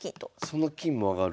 その金も上がる。